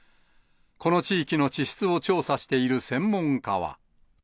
この地域の地質を調査している専門家は。